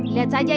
tidak ada kacau